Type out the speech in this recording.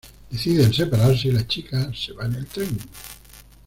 Deciden separarse y la chica se va en el tren.